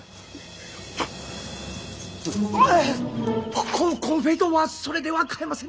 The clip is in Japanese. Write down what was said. ココンコンフェイトはそれでは買えませぬ。